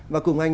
và cùng anh